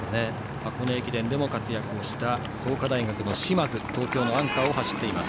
箱根駅伝でも活躍した創価大学の嶋津が東京のアンカーを走っています。